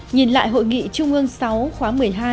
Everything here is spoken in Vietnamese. nhìn lại hội nghị trung ương sáu khóa một mươi hai